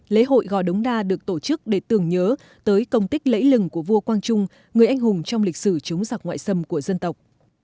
lễ hội gò đống đa được tổ chức để tưởng nhớ tới công tích lẫy lừng của vua quang trung người anh hùng trong lịch sử chống giặc ngoại xâm của dân tộc